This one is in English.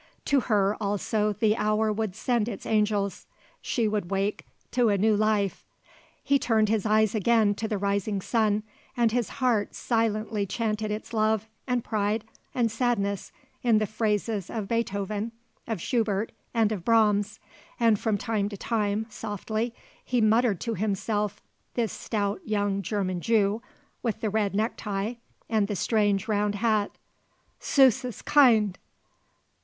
To her, also, the hour would send it angels: she would wake to a new life. He turned his eyes again to the rising sun, and his heart silently chanted its love and pride and sadness in the phrases of Beethoven, of Schubert and of Brahms, and from time to time, softly, he muttered to himself, this stout young German Jew with the red neck tie and the strange round hat: "_Süsses Kind!